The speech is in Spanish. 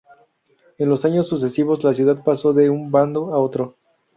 En los años sucesivos la ciudad pasó de un bando a otro.